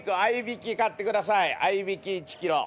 合いびき１ｋｇ。